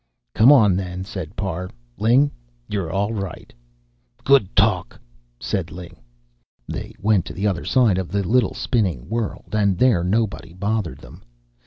"Come on, then," said Parr. "Ling, you're all right." "Good talk!" said Ling. They went to the other side of the little spinning world, and there nobody bothered them.